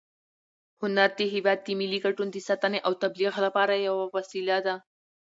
هنر د هېواد د ملي ګټو د ساتنې او تبلیغ لپاره یوه وسیله ده.